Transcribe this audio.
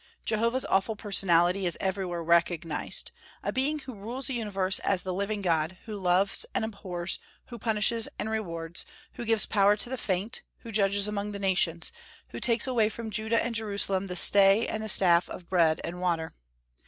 Jehovah's awful personality is everywhere recognized, a being who rules the universe as "the living God," who loves and abhors, who punishes and rewards, who gives power to the faint, who judges among the nations, who takes away from Judah and Jerusalem the stay and the staff of bread and water.